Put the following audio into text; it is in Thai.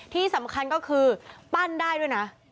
ที่สำคัญก็คือปั้นได้ด้วยนะ